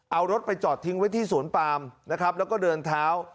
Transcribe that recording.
เอารถไปจอดทิ้งไว้ที่สวนปามนะครับแล้วก็เดินเท้า